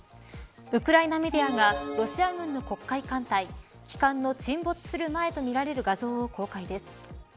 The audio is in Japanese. ウクライナメディアがロシア軍の黒海艦隊の沈没する前とみられる画像を公開です。